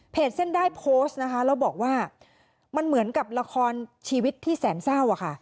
เส้นได้โพสต์นะคะแล้วบอกว่ามันเหมือนกับละครชีวิตที่แสนเศร้าอะค่ะ